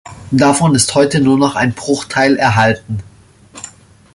Davon ist heute nur noch ein Bruchteil erhalten.